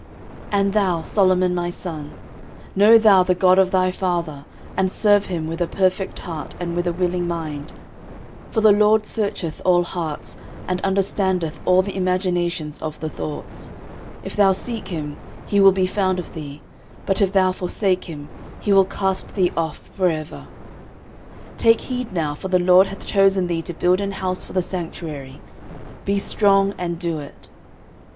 13:028:009 And thou, Solomon my son, know thou the God of thy father, and serve him with a perfect heart and with a willing mind: for the LORD searcheth all hearts, and understandeth all the imaginations of the thoughts: if thou seek him, he will be found of thee; but if thou forsake him, he will cast thee off for ever. 13:028:010 Take heed now; for the LORD hath chosen thee to build an house for the sanctuary: be strong, and do it.